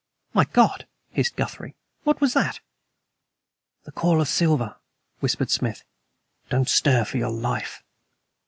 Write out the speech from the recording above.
"My God!" hissed Guthrie, "what was that?" "The Call of Siva," whispered Smith. "Don't stir, for your life!"